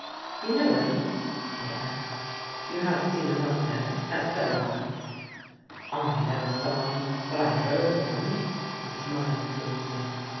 "You know him?" I asked. "You have seen him out there, at Sarawak?" "I never saw him; but I heard of him." He smiled to himself.